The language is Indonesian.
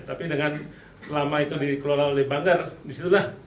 tapi dengan selama itu dikelola oleh banggar disitulah